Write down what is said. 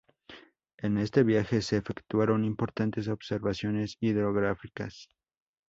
En este viaje se efectuaron importantes observaciones hidrográficas.